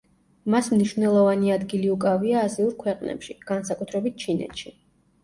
მას მნიშვნელოვანი ადგილი უკავია აზიურ ქვეყნებში, განსაკუთრებით ჩინეთში.